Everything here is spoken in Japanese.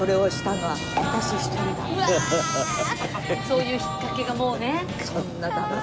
そういうひっかけがもうね。